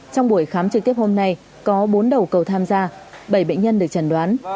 trong buổi khám trực tiếp hôm nay có bốn đầu cầu tham gia bảy bệnh nhân được chẩn đoán